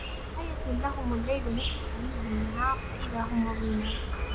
وَآيَةٌ لَهُمُ اللَّيْلُ نَسْلَخُ مِنْهُ النَّهَارَ فَإِذَا هُمْ مُظْلِمُونَ